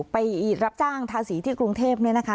ไปรับจ้างทาสีที่กรุงเทพเนี่ยนะคะ